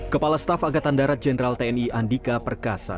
kepala staf angkatan darat jenderal tni andika perkasa